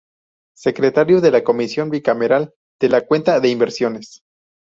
Secretario de la comisión bicameral de la cuenta de inversiones.